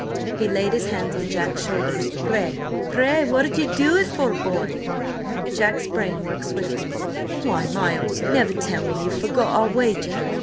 He laid his hands on Jack's shoulders. "Pray, what did ye do it for, boy?" Jack's brain worked swiftly. "Why, Miles, never tell me you've forgot our wager!